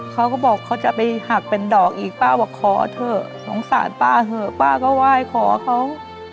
เขาก็บอกเขาจะไปหักเป็นดอกอีกป้าบอกขอเถอะสงสารป้าเถอะป้าก็ไหว้ขอเขา